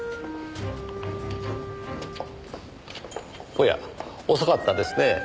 おや遅かったですねえ。